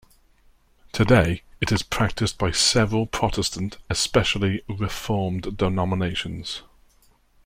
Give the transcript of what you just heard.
Today it is practised by several Protestant, especially Reformed denominations.